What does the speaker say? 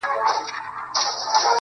گراني شاعري ستا خوږې خبري .